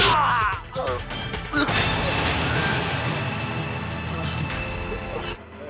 saya mencorong dia